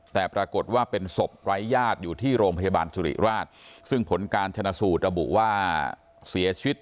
แต่ปรากฏว่าเป็นศพไร้ญาติอยู่ที่โรงพยาบาลสุริราชซึ่งผลการชนะสูตรระบุว่าเสียชีวิต